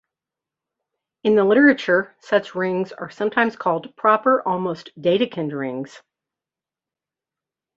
In the literature such rings are sometimes called proper almost Dedekind rings.